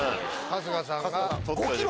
春日さん